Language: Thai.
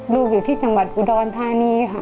ลูกอยู่ที่จังหวัดอุดรธานี